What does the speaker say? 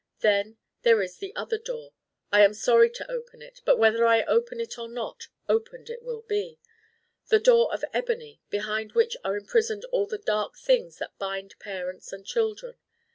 Then there is the other door. I am sorry to open it, but whether I open it or not, opened it will be: the Door of Ebony behind which are imprisoned all the dark things that bind parents and children.